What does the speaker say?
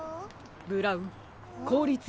ブラウンこうりつ